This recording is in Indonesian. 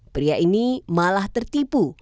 pria ini malah tertipu